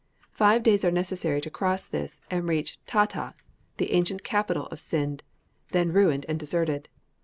Five days are necessary to cross this, and reach Tatah, the ancient capital of Scinde, then ruined and deserted.